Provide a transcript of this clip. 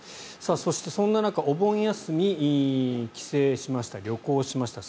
そして、そんな中、お盆休みに帰省しました旅行しました